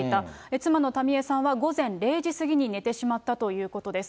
妻の民江さんは午前０時過ぎに寝てしまったということです。